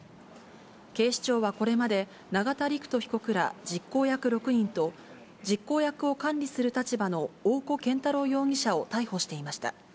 警視庁はこれまで、永田陸人被告ら実行役６人と、実行役を管理する立場の大古健太郎容疑者を逮捕していました。